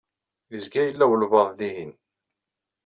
Yezga yella walebɛaḍ dihin.